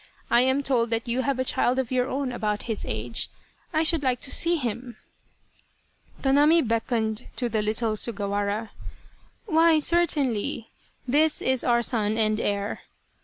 I am told that you have a child of your own about his age. I should like to see him !" Tonami beckoned, to the little Sugawara. " Why, certainly ; this is our son and heir